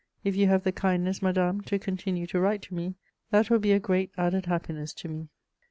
If you have the kindness, madame, to continue to write to me, that will be a great added happiness to me."